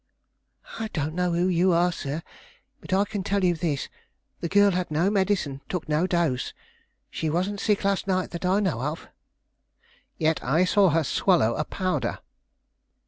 "I don't know who you are, sir; but I can tell you this, the girl had no medicine, took no dose; she wasn't sick last night that I know of." "Yet I saw her swallow a powder."